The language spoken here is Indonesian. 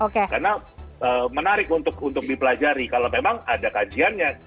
karena menarik untuk dipelajari kalau memang ada kajiannya